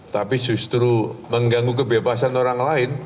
tapi justru mengganggu kebebasan orang lain